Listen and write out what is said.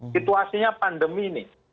situasinya pandemi ini